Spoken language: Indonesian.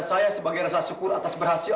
saya sebagai rasa syukur atas berhasil